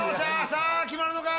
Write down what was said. さあ決まるのか